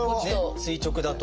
垂直だと。